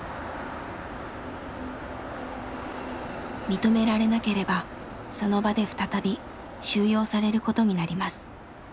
認められなければその場で再び収容されることになります。